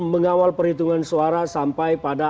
mengawal perhitungan suara sampai pada